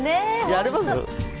やれます？